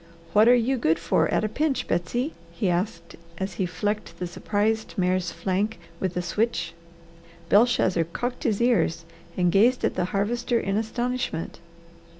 "What are you good for at a pinch, Betsy?" he asked as he flecked the surprised mare's flank with a switch. Belshazzar cocked his ears and gazed at the Harvester in astonishment.